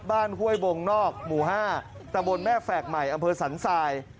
บ้านห้วยวงนอกหมูฮาตะวนแม่แฝกไหมอำเภอสรรทราย